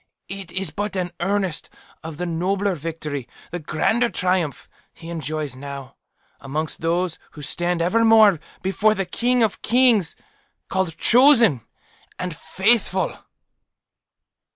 It is but an earnest of the nobler victory, the grander triumph, he enjoys now, amongst those who stand evermore before the King of kings CALLED, CHOSEN, AND FAITHFUL."